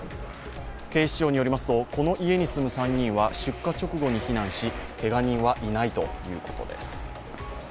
警視庁によりますとこの家に住む３人は出火直後に避難しけが人はいないということです。